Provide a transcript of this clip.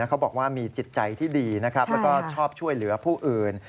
เขาบอกว่ามีจิตใจที่ดีนะครับแล้วก็ชอบช่วยเหลือผู้อื่น